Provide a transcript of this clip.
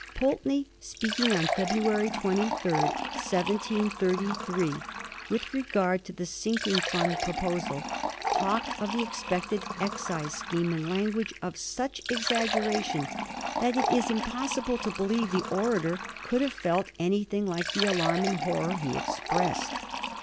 Pulteney, speaking on February 23, 1733, with regard to the Sinking Fund proposal, talked of the expected excise scheme in language of such exaggeration that it is im possible to believe the orator could have felt anything like the alarm and horror he expressed.